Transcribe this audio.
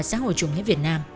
xã hội chủ nghĩa việt nam